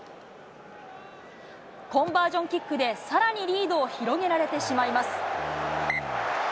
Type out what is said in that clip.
コンバージョンキックでさらにリードを広げられてしまいます。